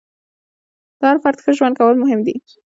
د هر فرد ښه ژوند کول مهم دي.